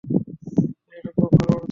মেয়েটা খুব ভালো মানুষ ছিল।